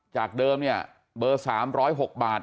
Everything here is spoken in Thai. จากเดิมเนี่ยเบอร์๓๐๖บาท